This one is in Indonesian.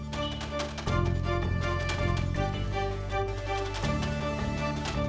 terima kasih pak